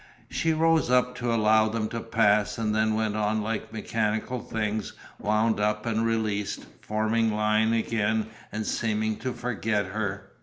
She rose up to allow them to pass and they went on like mechanical things wound up and released, forming line again and seeming to forget her.